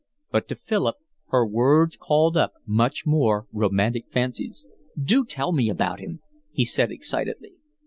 But to Philip her words called up much more romantic fancies. "Do tell me all about him," he said excitedly.